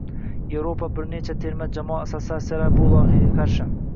Yevropaning bir nechta terma jamoa assotsiatsiyalari bu loyihaga qarshi